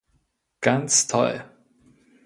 Ganz toll!